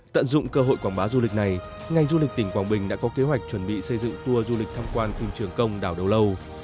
tận dụng cơ hội quảng bá du lịch này ngành du lịch tỉnh quảng bình đã có kế hoạch chuẩn bị xây dựng tour du lịch tham quan khu trường công đảo đầu lâu